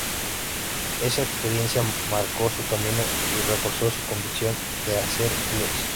Esa experiencia marcó su camino y reforzó su convicción de hacer blues.